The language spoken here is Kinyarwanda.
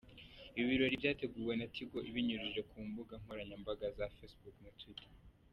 Ibi birori byateguwe na Tigo ibinyujije ku mbuga nkoranyambaga za Facebook na Twitter.